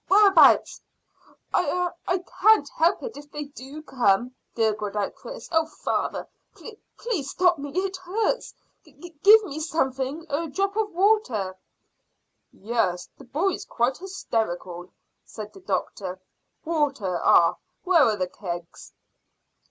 Whereabouts?" "I I I can't help it if they do come," gurgled out Chris. "Oh, father, plea please stop me; it hurts. Gi give me something a drop of water." "Yes, the boy's quite hysterical," said the doctor. "Water. Ah! Where are the kegs?"